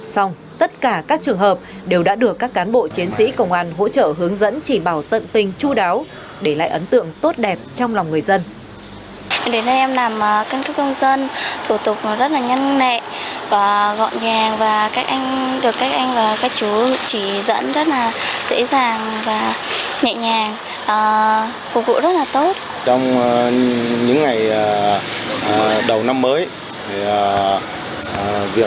xong tất cả các trường hợp đều đã được các cán bộ chiến sĩ công an hỗ trợ hướng dẫn chỉ bảo tận tình chú đáo để lại ấn tượng tốt đẹp trong lòng người dân